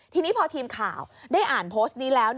ทีนี้พอทีมข่าวได้อ่านโพสต์นี้แล้ว